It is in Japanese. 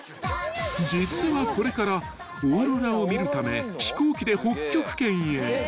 ［実はこれからオーロラを見るため飛行機で北極圏へ］